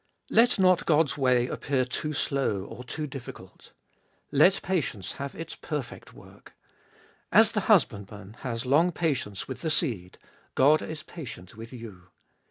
3. Let not God's way appear too slow or too difficult. Let patience have its perfect work. As the husbandman has long patience with the seed, God is patient with you.